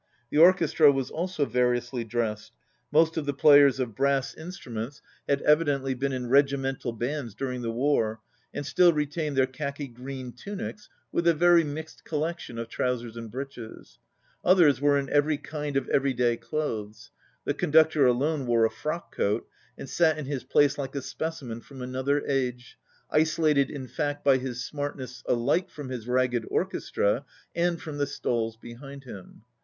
The orchestra was also variously dressed. Most of the players of brass instruments 91 had evidently been in regimental bands during the war, and still retained their khaki green tunics with a very mixed collection of trousers and breeches. Others were in every kind of everyday clothes. The conductor alone wore a frock coat, and sat in his place like a specimen from another age, isolated in fact by his smartness alike from his ragged orchestra and from the stalls behind him.